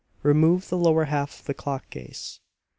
"Remove the lower half of the clock case!"